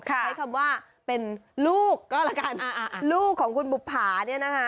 ใช้คำว่าเป็นลูกก็แล้วกันลูกของคุณบุภาเนี่ยนะคะ